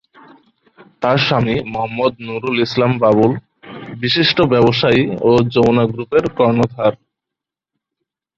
তার স্বামী মোহাম্মদ নুরুল ইসলাম বাবুল বিশিষ্ট ব্যবসায়ী ও যমুনা গ্রুপের কর্ণধার।